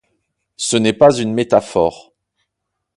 Ce n'est pas une métaphore.